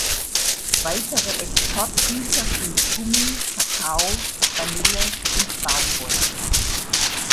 Weitere Exportgüter sind Gummi, Kakao, Vanille und Baumwolle.